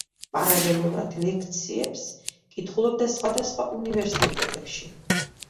პარალელურად ლექციებს კითხულობდა სხვადასხვა უნივერსიტეტებში.